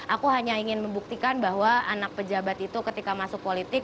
aku hanya ingin membuktikan bahwa anak pejabat itu ketika masuk politik